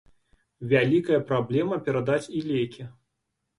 Вялікая праблема перадаць і лекі.